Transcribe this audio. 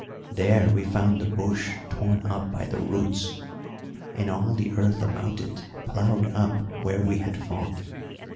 There we found the bush torn up by the roots, and all the earth about it ploughed up where we had fought.